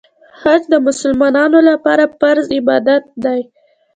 حج د مسلمانانو لپاره فرض عبادت دی.